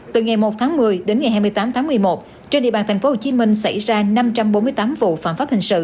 từ ngày một tháng một mươi đến ngày hai mươi tám tháng một mươi một trên địa bàn tp hcm xảy ra năm trăm bốn mươi tám vụ phạm pháp hình sự